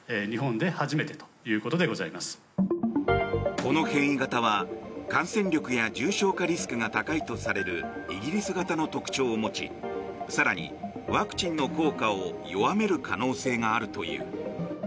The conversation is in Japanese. この変異型は感染力や重症化リスクが高いとされるイギリス型の特徴を持ち更に、ワクチンの効果を弱める可能性があるという。